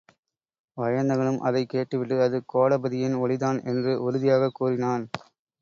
வயந்தகனும் அதைக் கேட்டுவிட்டு, அது கோடபதியின் ஒலிதான் என்று உறுதியாகக் கூறினான்.